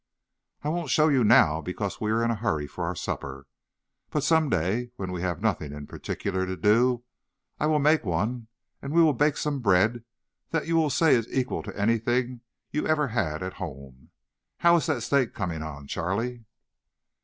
"I won't show you now because we are in a hurry for our supper, but some day, when we have nothing in particular to do, I will make one and we will bake some bread that you will say is the equal of anything you ever had at home. How is that steak coming on, Charlie?"